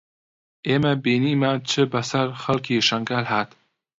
ئێمە بینیمان چ بەسەر خەڵکی شنگال هات